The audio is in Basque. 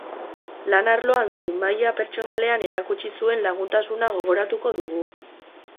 Lan arloan zein maila pertsonalean erakutsi zuen laguntasuna gogoratuko dugu.